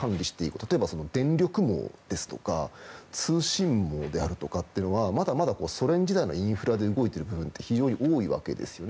例えば電力網ですとか通信網であるとかというのはまだまだソ連時代のインフラで動いている部分って非常に多いわけですよね。